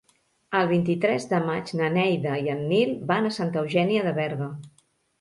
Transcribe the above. El vint-i-tres de maig na Neida i en Nil van a Santa Eugènia de Berga.